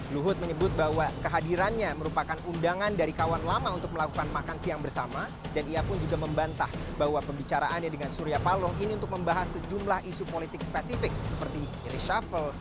luhut menyebut bahwa kehadirannya merupakan undangan dari kawan lama untuk melakukan makan siang bersama dan ia pun juga membantah bahwa pembicaraannya dengan surya paloh ini untuk membahas sejumlah isu politik spesifik seperti reshuffle